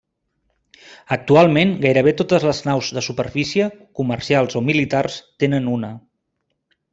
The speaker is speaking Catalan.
Actualment gairebé totes les naus de superfície, comercials o militars tenen una.